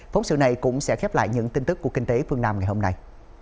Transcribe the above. phóng sự này cũng sẽ khép lại những tin tức của kinh tế phương nam ngày hôm nay